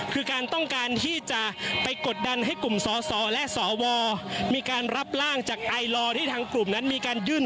คือการต้องการที่จะไปกดดันให้กลุ่มสอสอและสวมีการรับร่างจากไอลอร์ที่ทางกลุ่มนั้นมีการยื่น